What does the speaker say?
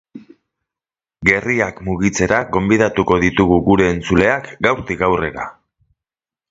Gerriak mugitzera gonbidatuko ditugu gure entzuleak gaurtik aurrera.